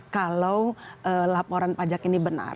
kalau laporan pajak ini benar